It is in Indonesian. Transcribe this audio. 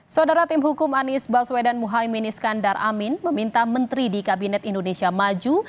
saudara tim hukum anies baswedan muhaymin iskandar amin meminta menteri di kabinet indonesia maju